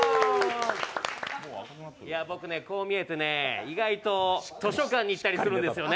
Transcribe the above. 僕ね、こう見えてね、図書館に行ったりするんですね。